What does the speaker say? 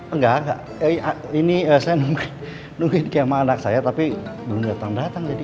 enggak enggak ini saya nungguin kema anak saya tapi belum datang datang jadi